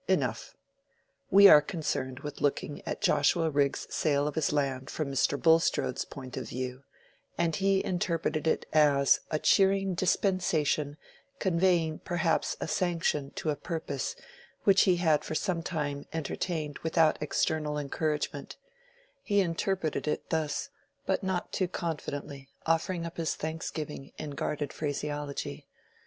Enough. We are concerned with looking at Joshua Rigg's sale of his land from Mr. Bulstrode's point of view, and he interpreted it as a cheering dispensation conveying perhaps a sanction to a purpose which he had for some time entertained without external encouragement; he interpreted it thus, but not too confidently, offering up his thanksgiving in guarded phraseology.